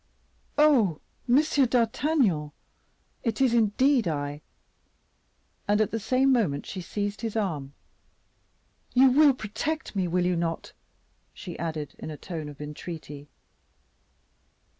"Oh, M. d'Artagnan! it is indeed I;" and at the same moment she seized his arm. "You will protect me, will you not?" she added, in a tone of entreaty.